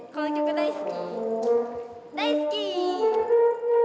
大好き！